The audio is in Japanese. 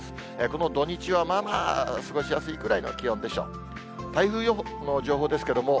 この土日は、まあまあ過ごしやすいくらいの気温でしょう。